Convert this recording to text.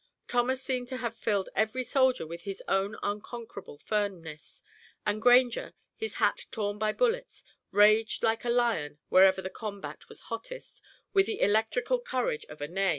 Thomas seemed to have filled every soldier with his own unconquerable firmness, and Granger, his hat torn by bullets, raged like a lion wherever the combat was hottest with the electrical courage of a Ney.